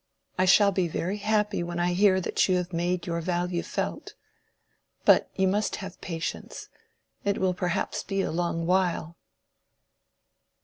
I shall be very happy when I hear that you have made your value felt. But you must have patience. It will perhaps be a long while."